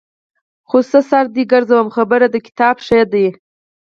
خو څه سر دې ګرځوم خبرې د کتاب ښې دي.